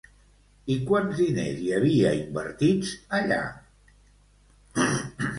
I quants diners hi havia invertits allà?